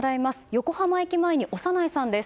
横浜駅前に小山内さんです。